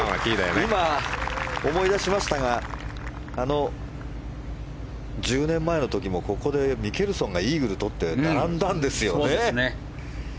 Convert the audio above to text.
今、思い出しましたが１０年前の時もここでミケルソンがイーグルを取って並んだんですよね。